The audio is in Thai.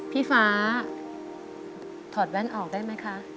พี่ฟ้าถอดแว่นออกได้ไหมคะ